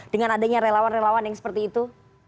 dengan adanya relawan relawan yang seperti itu